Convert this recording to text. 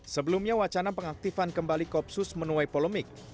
sebelumnya wacana pengaktifan kembali koopsus menuai polemik